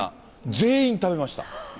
全員食べました。